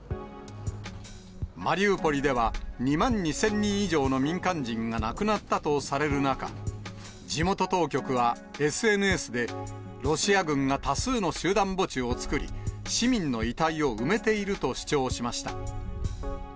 マリウポリでは、２万２０００人以上の民間人が亡くなったとされる中、地元当局は、ＳＮＳで、ロシア軍が多数の集団墓地を作り、市民の遺体を埋めていると主張しました。